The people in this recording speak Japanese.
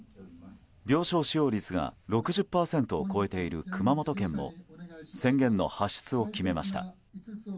病床使用率が６０％を超えている熊本県も宣言の発出を決めました。